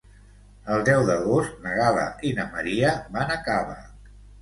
El deu d'agost na Gal·la i na Maria van a Cava.